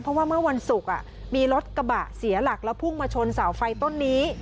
เพราะว่าเมื่อวันศุกร์มีรถกระบะเสียหลักแล้วพุ่งมาชนเสาไฟต้นนี้